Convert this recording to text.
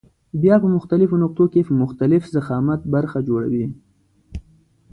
بیا په مختلفو نقطو کې په مختلف ضخامت برخه جوړوي.